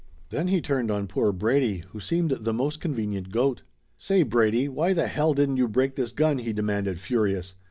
Then he turned on poor Brady, who seemed the most convenient goat. "Say, Brady, why the hell didn't you break this gun?" he demanded furious.